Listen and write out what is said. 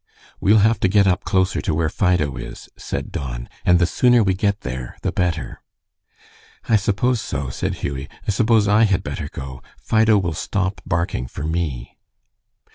"We'll have to get up closer to where Fido is," said Don, "and the sooner we get there the better." "I suppose so," said Hughie. "I suppose I had better go. Fido will stop barking for me."